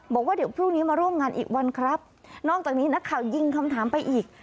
บอกว่าเดี๋ยวพรุ่งนี้มาร่วมงานอีกวันครับนอกจากนี้นักข่าวยิงคำถามไปอีก